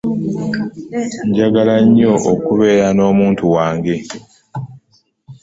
Njagala nnyo okubeera n'omuntu wange.